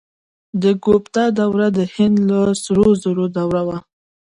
د ګوپتا دوره د هند د سرو زرو دوره وه.